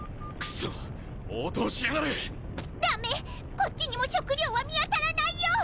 こっちにも食料は見当たらないよ！